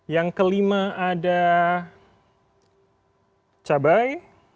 yang kelima ada cabai